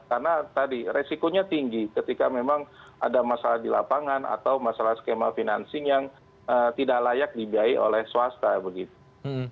karena tadi resikonya tinggi ketika memang ada masalah di lapangan atau masalah skema financing yang tidak layak dibiayai oleh swasta begitu